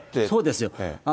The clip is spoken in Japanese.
そうですよ。